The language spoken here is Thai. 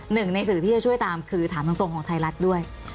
หนึ่งในสื่อที่จะช่วยตามคือถามตรงของไทยรัฐด้วย